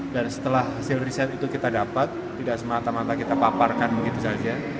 dan setelah hasil riset itu kita dapat tidak semata mata kita paparkan begitu saja